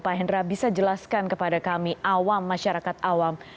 pak hendra bisa jelaskan kepada kami awam masyarakat awam